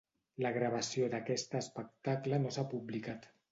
La gravació d'aquest espectacle no s'ha publicat.